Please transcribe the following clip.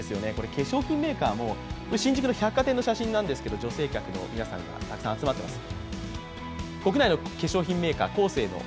化粧品メーカーも、新宿の百貨店の写真ですが、女性客の皆さんがたくさん集まっています。